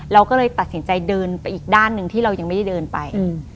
เราก็เลยตัดสินใจเดินไปอีกด้านหนึ่งที่เรายังไม่ได้เดินไป